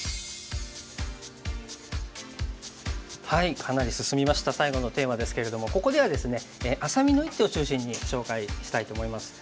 かなり進みました最後のテーマですけれどもここではですねあさみの一手を中心に紹介したいと思います。